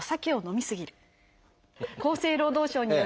厚生労働省による。